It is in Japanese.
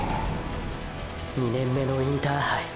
２年目のインターハイ